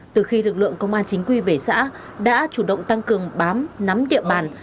từ khi lực lượng công an chính quy về xã đã chủ động tăng cường bám nắm địa bàn